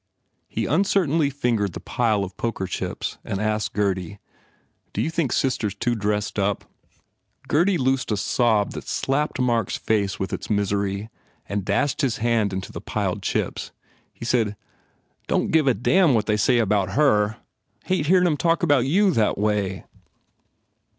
He uncertainly fingered the pile of poker chips and asked Gurdy, "D you think sister s too dressed up?" Gurdy loosed a sob that slapped Mark s face with its misery and dashed his hand into the piled chips. He said, "D don t give a dam what they 93 THE FAIR REWARDS say about her. I hate hearin them talk about you that way!"